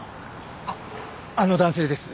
あっあの男性です。